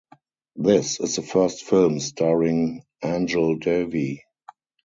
This is the first film starring Anjali Devi.